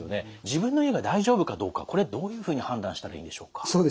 自分の家が大丈夫かどうかこれはどういうふうに判断したらいいんでしょうか。